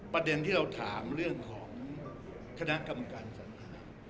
ประเด็นที่เราถามเรื่องของคณะกรรมการสัญหา